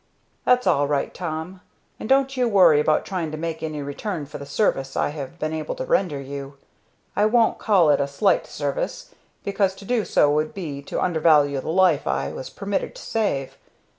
"That's all right, Tom, and don't you worry about trying to make any return for the service I have been able to render you. I won't call it a slight service, because to do so would be to undervalue the life I was permitted to save.